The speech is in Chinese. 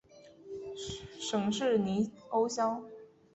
县治尼欧肖。